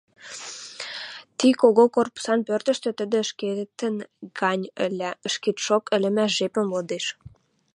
Ти кого корпусан пӧртӹштӹ тӹдӹ ӹшкетӹн гань ӹлӓ, ӹшкетшок ӹлӹмӓш жепӹм лыдеш.